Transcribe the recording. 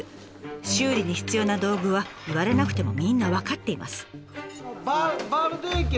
修理に必要な道具は言われなくてもみんな分かっています。